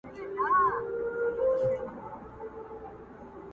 تر قیامته به یې خپل وهل په زړه وي.!.!